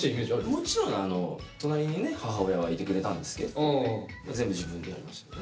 もちろん隣にね母親はいてくれたんですけど全部自分でやりましたけどね。